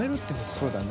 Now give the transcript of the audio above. そうだね。